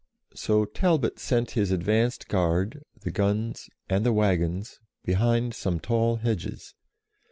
So Talbot sent his advanced guard, the guns, and the waggons behind some tall hedges.